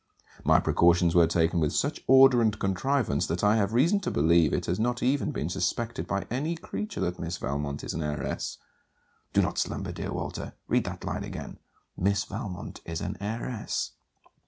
My precautions were taken with such order and contrivance, that I have reason to believe it has not even been suspected by any creature that Miss Valmont is an heiress. _Do not slumber, dear Walter; read that line again Miss Valmont is an heiress.